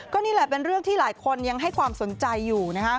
ก็นี่แหละเป็นเรื่องที่หลายคนยังให้ความสนใจอยู่นะฮะ